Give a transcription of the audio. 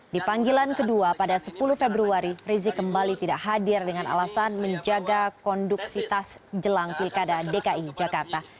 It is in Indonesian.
di panggilan kedua pada sepuluh februari rizik kembali tidak hadir dengan alasan menjaga konduksitas jelang pilkada dki jakarta